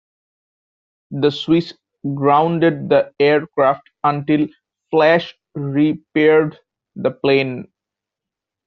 The Swiss grounded the aircraft until Flash repaired the plane.